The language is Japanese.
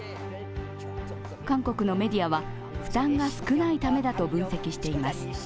韓国のメディアは、負担が少ないためだと分析しています。